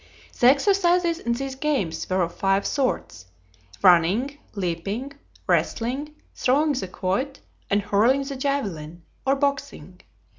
The exercises in these games were of five sorts: running, leaping, wrestling, throwing the quoit, and hurling the javelin, or boxing.